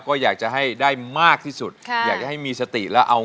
ขอบคุณครับ